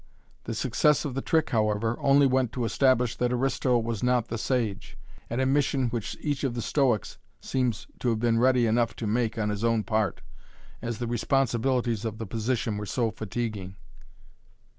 The success of the trick however only went to establish that Aristo was not the sage, an admission which each of the Stoics seems to have been ready enough to make on his own part, as the responsibilities of the position were so fatiguing.